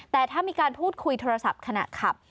แต่ถ้ามีการพูดคุยโทรศัพท์ขณะขับ